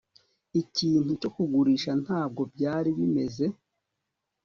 Ikintu cyo kugurisha Ntabwo byari bimeze